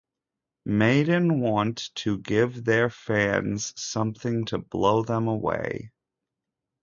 Maiden want to give their fans something to blow them away.